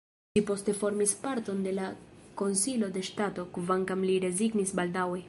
Ĝi poste formis parton de la Konsilo de ŝtato, kvankam li rezignis baldaŭe.